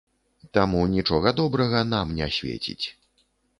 Таму нічога добрага нам не свеціць.